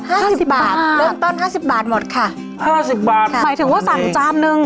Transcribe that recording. ห้าสิบบาทอ่าเริ่มต้นห้าสิบบาทหมดค่ะห้าสิบบาทค่ะหมายถึงว่าสั่งจานนึง